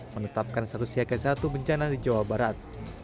menetapkan status siaga satu bencana di jawa barat